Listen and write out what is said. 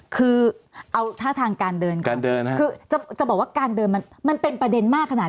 คือเอาท่าทางการเดินการเดินคือจะบอกว่าการเดินมันเป็นประเด็นมากขนาด